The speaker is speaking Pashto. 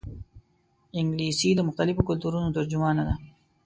انګلیسي د مختلفو کلتورونو ترجمانه ده